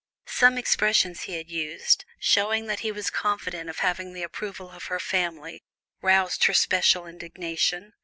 Some expressions he had used, showing that he was confident of having the approval of her family, roused her special indignation.